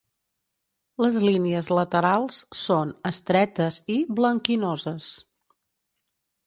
Les línies laterals són estretes i blanquinoses.